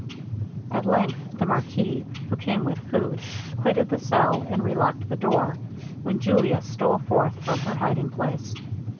At length the marquis, who came with food, quitted the cell, and relocked the door, when Julia stole forth from her hiding place.